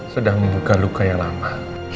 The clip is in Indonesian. sedang membuka luka yang lama